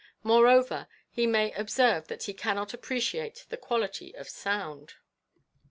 More over, he may observe that he cannot appreciate the quality of sound.